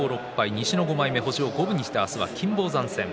西の５枚目、星を五分にして明日は金峰山戦。